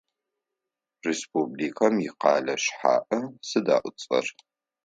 Республикэм икъэлэ шъхьаӏэ сыда ыцӏэр?